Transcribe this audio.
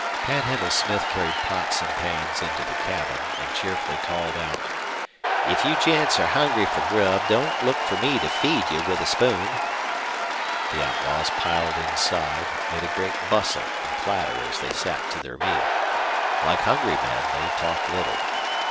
Panhandle Smith carried pots and pans into the cabin, and cheerfully called out: "If you gents air hungry fer grub, don't look fer me to feed you with a spoon." The outlaws piled inside, made a great bustle and clatter as they sat to their meal. Like hungry men, they talked little.